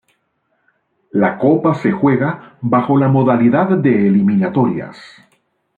La copa se juega bajo la modalidad de eliminatorias.